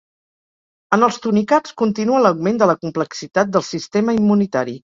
En els tunicats continua l'augment de la complexitat del sistema immunitari.